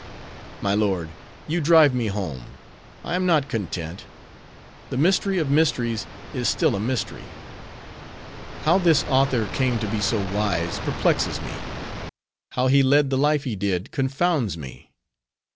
"My lord, you drive me home. I am not content. The mystery of mysteries is still a mystery. How this author came to be so wise, perplexes me. How he led the life he did, confounds me.